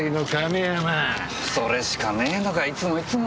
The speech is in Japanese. それしかねぇのかいつもいつも。